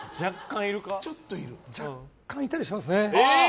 若干いたりしますね。